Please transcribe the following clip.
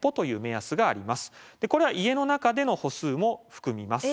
これは家の中での歩数も含みます。